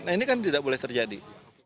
nah ini kan tidak boleh terjadi